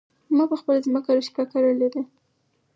ما په خپله ځمکه رشکه کرلي دي